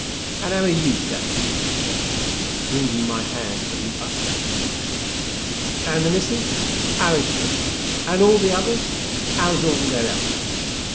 "And 'ow are you, sir?" he asked, wringing my hand with the utmost effusion. "And the missis, 'ow is she? And all the others 'ow's all their 'ealth?"